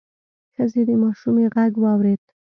ښځې د ماشومې غږ واورېد: